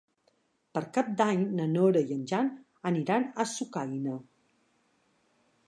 Per Cap d'Any na Nora i en Jan aniran a Sucaina.